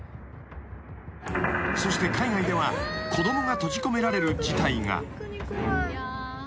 ［そして海外では子供が閉じ込められる事態が］